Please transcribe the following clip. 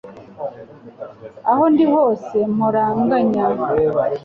Aho ndi hose mpora nganya